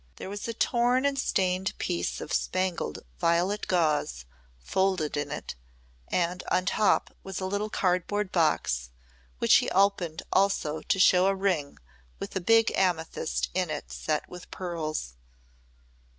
There was a torn and stained piece of spangled violet gauze folded in it and on top was a little cardboard box which he opened also to show a ring with a big amethyst in it set with pearls.